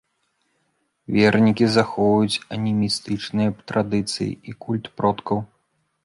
Вернікі захоўваюць анімістычныя традыцыі і культ продкаў.